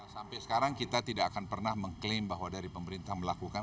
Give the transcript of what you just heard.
sampai sekarang kita tidak akan pernah mengklaim bahwa dari pemerintah melakukan